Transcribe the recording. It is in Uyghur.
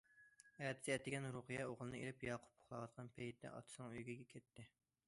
ئەتىسى ئەتىگەن رۇقىيە ئوغلىنى ئېلىپ ياقۇپ ئۇخلاۋاتقان پەيتتە ئاتىسىنىڭ ئۆيىگە كەتتى.